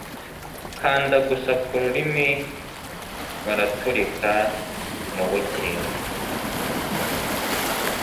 Kanda gusa kururimi baraturika mubuki